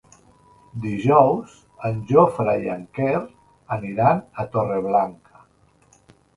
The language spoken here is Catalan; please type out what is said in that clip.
Dijous en Jofre i en Quer aniran a Torreblanca.